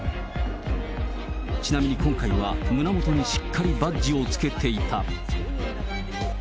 ちなみに今回は、胸元にしっかりバッジをつけていた。